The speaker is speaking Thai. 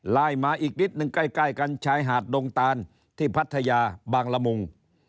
ไล่มาอีกนิดนึงใกล้กันชายหาดดงตานที่พัทยาบางละมุง